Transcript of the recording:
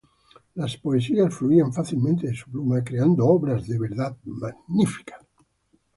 Las poesías fluían fácilmente de su pluma, creando obras de verdad magníficas.